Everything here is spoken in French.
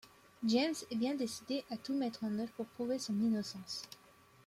James est bien décidé à tout mettre en œuvre pour prouver son innocence.